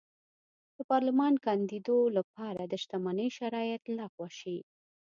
د پارلمان کاندېدو لپاره د شتمنۍ شرایط لغوه شي.